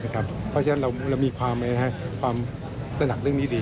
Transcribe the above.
เพราะฉะนั้นเรามีความตระหนักเรื่องนี้ดี